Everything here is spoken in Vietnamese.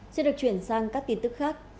sẽ được chuyển sang các tin tức khác